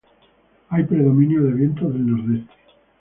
Hay predominio de vientos del nordeste.